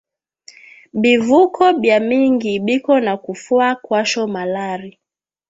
Bivuko bia mingi biko na kufwa kwasho malari